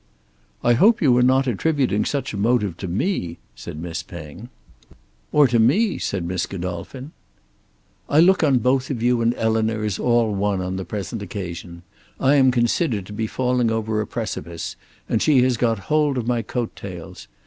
"I hope you are not attributing such a motive to me," said Miss Penge. "Or to me," said Miss Godolphin. "I look on both of you and Eleanor as all one on the present occasion. I am considered to be falling over a precipice, and she has got hold of my coat tails.